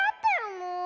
もう。